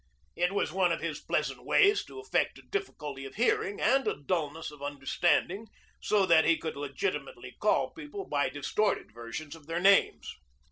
It was one of his pleasant ways to affect a difficulty of hearing and a dullness of understanding, so that he could legitimately call people by distorted versions of their names.